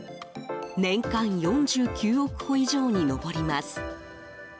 年間４９億個以上に上ります。